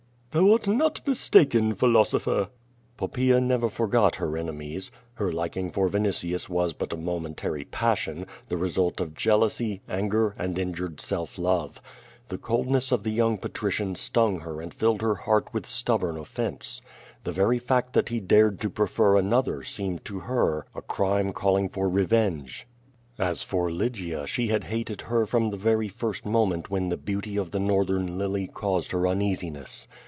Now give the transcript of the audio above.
"Thou art not mistaken, philosopher." Poppaea never forgot her enemies. Her liking for Vin itius was but a momentary passion, the result of jealousy, anger, and injured self love. The coldness of the young pa trician stung her and filled her heart with stubborn oiTence. The very fact that he dared to prefer another seemed to her a crime calling for revenge. As for Lygia she had hated her from the very first moment when the beauty of the North ern lily caused her uneasiness.